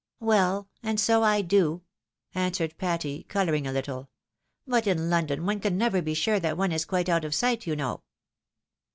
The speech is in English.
" "Well; and so I do," answered Patty, colouring a little. " But in London one can never be sure that one is quite out of . sight, you know."